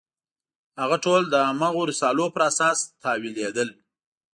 هغه ټول د هماغو رسالو پر اساس تاویلېدل.